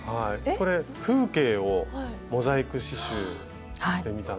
風景をモザイク刺しゅうしてみたんですが。